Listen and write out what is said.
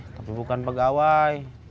tapi bukan pegawai